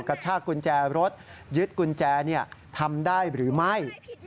กระชากกุญแจรถยึดกุญแจทำได้หรือไม่